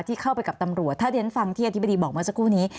ที่เข้าไปกับตำรวจถ้าเรียนฟังที่อธิบดีบอกเมื่อสักครู่นี้